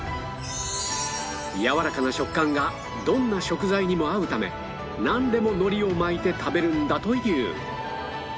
やわらかな食感がどんな食材にも合うためなんでも海苔を巻いて食べるのだという